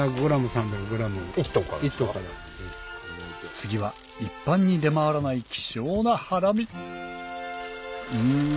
次は一般に出回らない希少なハラミうん。